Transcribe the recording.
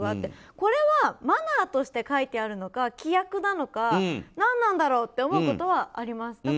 これは、マナーとして書いてあるのか、規約なのか何なんだろうと思うことはあります。